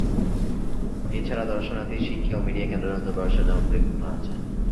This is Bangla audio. এছাড়া দর্শনার্থী, শিক্ষা এবং মিডিয়া কেন্দ্র নতুনভাবে সাজানোর পরিকল্পনা আছে।